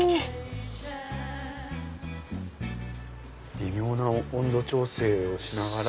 微妙な温度調整をしながら。